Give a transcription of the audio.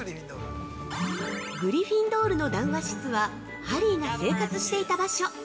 ◆グリフィンドールの談話室は、ハリーが生活していた場所。